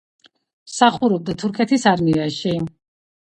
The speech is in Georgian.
მსახურობდა თურქეთის არმიაში.